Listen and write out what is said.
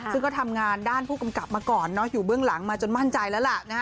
ซึ่งก็ทำงานด้านผู้กำกับมาก่อนอยู่เบื้องหลังมาจนมั่นใจแล้วล่ะ